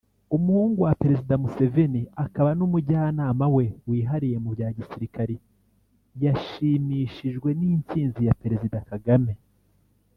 Umuhungu wa Perezida Museveni akaba n’umujyanama we wihariye mu bya Gisirikare yashimishijwe n’intsinzi ya Perezida Kagame